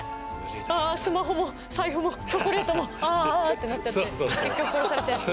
「ああスマホも財布もチョコレートもああああ」ってなっちゃって結局殺されちゃいそう。